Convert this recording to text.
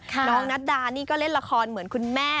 น้องนัดดานี่ก็เล่นละครเหมือนคุณแม่